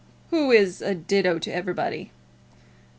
"Who is a ditto to everybody."